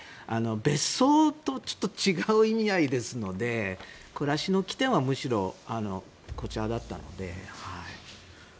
別荘とちょっと違う意味合いですので暮らしの基点はむしろこちらだったので。